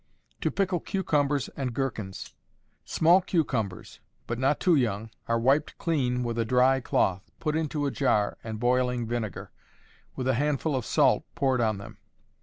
To Pickle Cucumbers and Gherkins. Small cucumbers, but not too young, are wiped clean with a dry cloth, put into a jar, and boiling vinegar, with a handful of salt, poured on them.